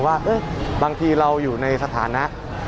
ว่าบางทีเราอยู่ในสถานะ